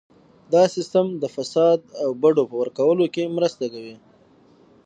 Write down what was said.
دا سیستم د فساد او بډو په ورکولو کې مرسته کوي.